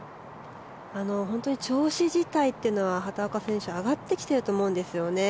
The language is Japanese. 調子自体というのは畑岡選手は上がってきていると思うんですよね。